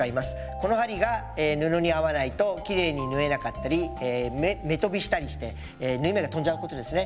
この針が布に合わないときれいに縫えなかったり目とびしたりして縫い目がとんじゃうことですね